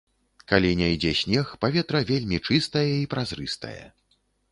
Калі не ідзе снег, паветра вельмі чыстае і празрыстае.